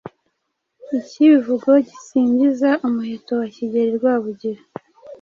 ikivugo gisingiza umuheto wa Kigeli Rwabugili